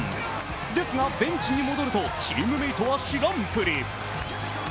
ですがベンチに戻るとチームメートは知らんぷり。